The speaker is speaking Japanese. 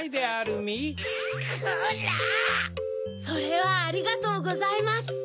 それはありがとうございます